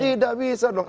tidak bisa dong